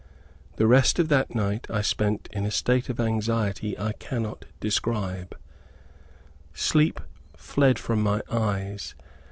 The rest of that night I spent in a state of anxiety I cannot describe. Sleep fled from my eyes.